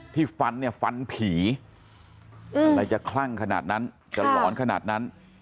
ที่ฟันฟันผีอะไรจะคลั่งขนาดนั้น